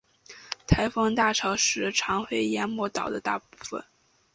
台风大潮时常会淹没岛的大部分。